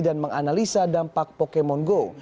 dan menganalisa dampak pokemon go